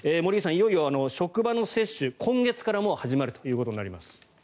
いよいよ職場の接種が今月から始まるということになります。